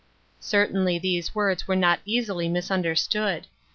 Certainly these words were not easily misunder stood.